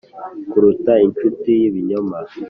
kuruta inshuti y'ibinyoma